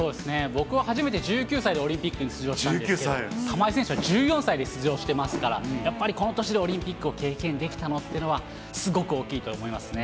僕は初めて１９歳でオリンピックに出場したんですが、玉井選手は１４歳で出場してますから、やっぱりこの年でオリンピックを経験できたのっていうのは、すごく大きいと思いますね。